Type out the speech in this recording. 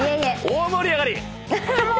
大盛り上がり！